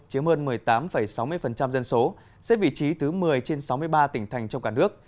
chiếm hơn một mươi tám sáu mươi dân số xếp vị trí thứ một mươi trên sáu mươi ba tỉnh thành trong cả nước